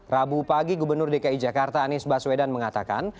rabu pagi gubernur dki jakarta anies baswedan mengatakan